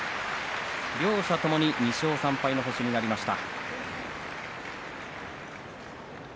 両者ともに２勝３敗の星になりました。